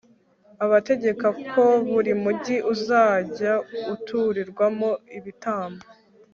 abategeka ko buri mugi uzajya uturirwamo ibitambo